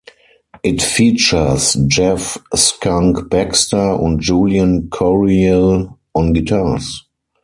It features Jeff "Skunk" Baxter and Julian Coryell on guitars.